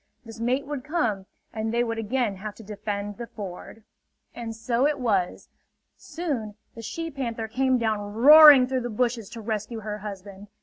This mate would come, and they would again have to defend the ford. And so it was. Soon the she panther came down roaring through the bushes to rescue her husband.